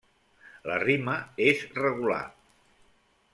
La rima és regular.